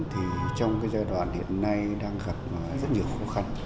trong giai đoạn hiện nay đang gặp rất nhiều khó khăn